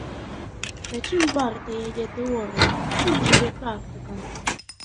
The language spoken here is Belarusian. На чым варта яе тэорыя, чым жыве практыка?